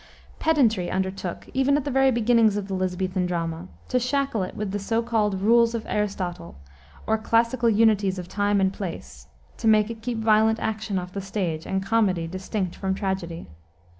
Pedantry undertook, even at the very beginnings of the Elisabethan drama, to shackle it with the so called rules of Aristotle, or classical unities of time and place, to make it keep violent action off the stage and comedy distinct from tragedy.